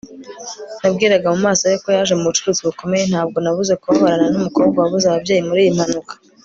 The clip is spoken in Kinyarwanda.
Nabwiraga mu maso he ko yaje mu bucuruzi bukomeye Ntabwo nabuze kubabarana numukobwa wabuze ababyeyi muriyi mpanuka